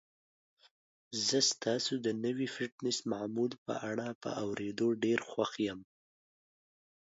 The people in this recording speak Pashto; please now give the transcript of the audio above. زه ستاسو د نوي فټنس معمول په اړه په اوریدو ډیر خوښ یم.